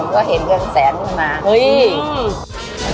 ก็เห็นเงินแสนขึ้นมา